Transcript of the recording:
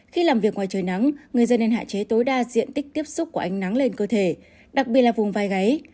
khi làm việc ngoài trời nắng người dân nên hạn chế tối đa diện tích tiếp xúc của ánh nắng lên cơ thể đặc biệt là vùng vai gáy